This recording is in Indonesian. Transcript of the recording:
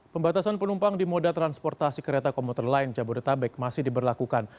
pembatasan penumpang di moda transportasi kereta komuter lain jabodetabek masih diberlakukan